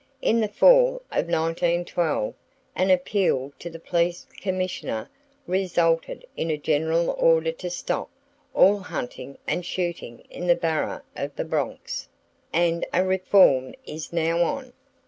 In the fall of 1912 an appeal to the Police Commissioner resulted in a general order to stop all hunting and shooting in the Borough of the Bronx, and a reform is now on.